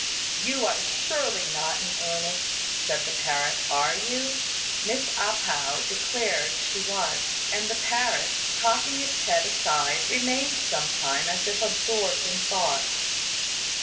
"You are surely not in earnest," said the parrot, "are you?" Miss A pao declared she was, and the parrot, cocking its head aside, remained some time as if absorbed in thought.